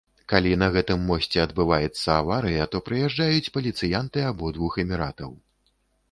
Калі на гэтым мосце адбываецца аварыя, то прыязджаюць паліцыянты абодвух эміратаў.